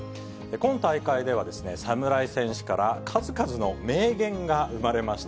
今大会では侍戦士から数々の名言が生まれました。